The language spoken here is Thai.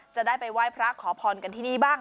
จะได้ไปไหว้พระขอพรกันที่นี่บ้าง